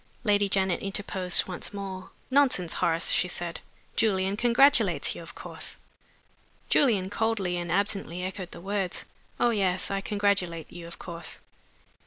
Lady Janet interposed once more. "Nonsense, Horace," she said. "Julian congratulates you, of course." Julian coldly and absently echoed the words. "Oh, yes! I congratulate you, of course."